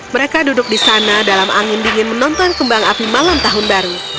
mereka duduk di sana dalam angin dingin menonton kembang api malam tahun baru